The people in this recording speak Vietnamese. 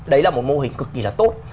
đấy là một mô hình cực kỳ là tốt